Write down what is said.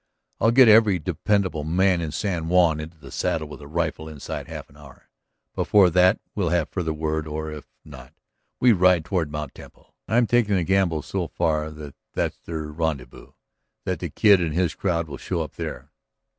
I'll get every dependable man in San Juan into the saddle with a rifle inside half an hour. Before that we'll have further word; or, if not, we ride toward Mt. Temple. I'm taking the gamble so far that that's their rendezvous; that the Kid and his crowd will show up there."